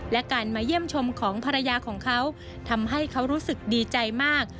และการมาเยี่ยมชมของภรรยาของเขาทำให้เขารู้สึกดีใจมาก